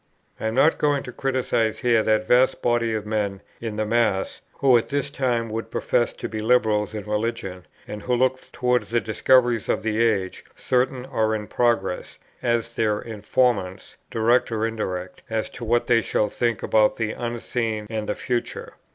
I am not going to criticize here that vast body of men, in the mass, who at this time would profess to be liberals in religion; and who look towards the discoveries of the age, certain or in progress, as their informants, direct or indirect, as to what they shall think about the unseen and the future.